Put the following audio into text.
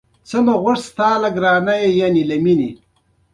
له مکتبه رخصت سویو ماشومانو